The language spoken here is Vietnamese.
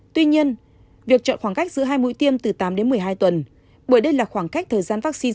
tuy nhiên việc chọn khoảng cách giữa hai mũi tiêm từ tám đến một mươi hai tuần bởi đây là khoảng cách thời gian vaccine